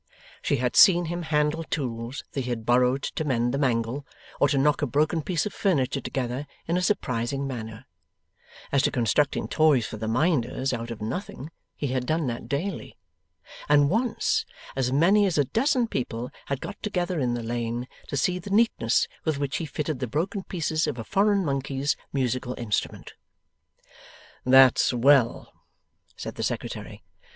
She had seen him handle tools that he had borrowed to mend the mangle, or to knock a broken piece of furniture together, in a surprising manner. As to constructing toys for the Minders, out of nothing, he had done that daily. And once as many as a dozen people had got together in the lane to see the neatness with which he fitted the broken pieces of a foreign monkey's musical instrument. 'That's well,' said the Secretary.